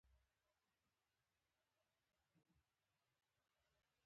مریدانو یې تبلیغ کاوه چې زور یې ټوپکونو ته ټینګېدلای نه شي.